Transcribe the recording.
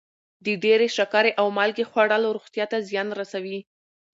د ډېرې شکرې او مالګې خوړل روغتیا ته زیان رسوي.